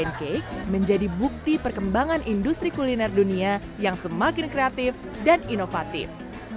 pancake menjadi bukti perkembangan industri kuliner dunia yang semakin kreatif dan inovatif